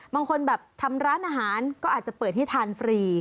บางคนแบบทำร้านอาหารก็อาจจะเปิดให้ทานฟรี